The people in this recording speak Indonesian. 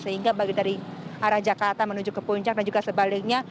sehingga bagi dari arah jakarta menuju ke puncak dan juga sebaliknya